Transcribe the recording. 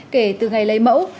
kể từ ngày lấy mẫu